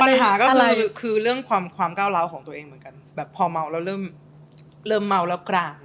ปัญหาก็คือคือเรื่องความก้าวร้าวของตัวเองเหมือนกันแบบพอเมาแล้วเริ่มเมาแล้วกลาง